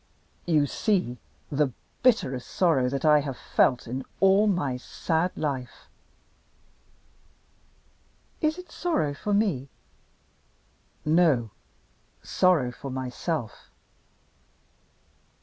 "You see the bitterest sorrow that I have felt in all my sad life." "Is it sorrow for me?" "No. Sorrow for myself."